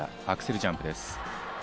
アクセルジャンプです。